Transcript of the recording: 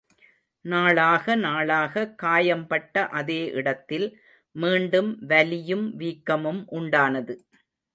நாளாகநாளாக, காயம் பட்ட அதே இடத்தில் மீண்டும் வலியும் வீக்கமும் உண்டானது.